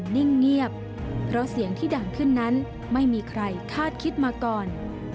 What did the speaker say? นิ่งเงียบเพราะเสียงที่ดังขึ้นนั้นไม่มีใครคาดคิดมาก่อน